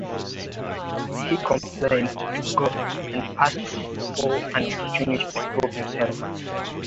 He complains to God and asks for an opportunity to prove himself.